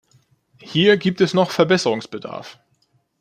Hier gibt es noch Verbesserungsbedarf.